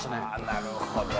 なるほど。